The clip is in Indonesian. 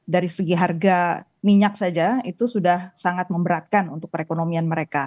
dari segi harga minyak saja itu sudah sangat memberatkan untuk perekonomian mereka